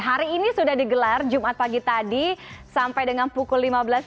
hari ini sudah digelar jumat pagi tadi sampai dengan pukul lima belas tiga puluh